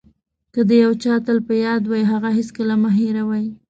که د یو چا تل په یاد وئ هغه هېڅکله مه هیروئ.